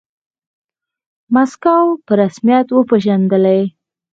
موسکو په رسميت وپیژندلې.